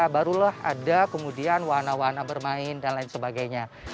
barulah ada kemudian warna warna bermain dan lain sebagainya